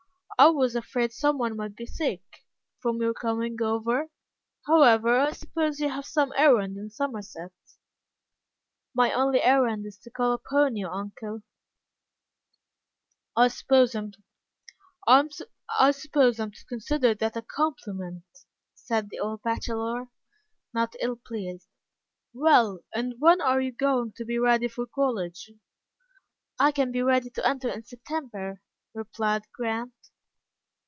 "I was afraid some one might be sick, from your coming over. However, I suppose you have some errand in Somerset." "My only errand is to call upon you, uncle." "I suppose I am to consider that a compliment," said the old bachelor, not ill pleased. "Well, and when are you going to be ready for college?" "I can be ready to enter in September," replied Grant.